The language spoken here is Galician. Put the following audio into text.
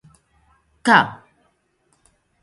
_Ca!